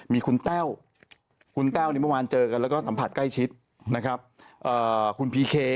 มีคุณแท้วคุณแท้วเนี่ยเมื่อวานเจอกัน